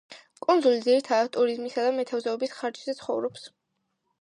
კუნძული ძირითადად ტურიზმისა და მეთევზეობის ხარჯზე ცხოვრობს.